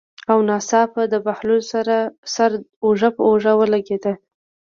او ناڅاپه د بهلول سره اوږه په اوږه ولګېده.